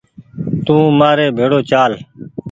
تو مآري ڀيڙو چآل